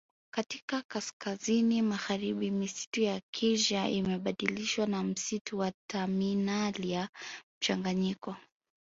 Katika kaskazini magharibi misitu ya Acacia imebadilishwa na misitu ya Terminalia mchanganyiko